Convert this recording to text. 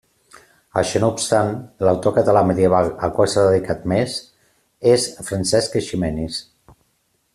Això no obstant, l'autor català medieval al qual s'ha dedicat més és Francesc Eiximenis.